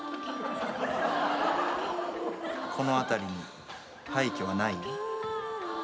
この辺りに廃墟はない？